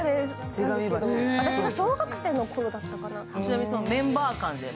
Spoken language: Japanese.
私が小学生のころだったかな。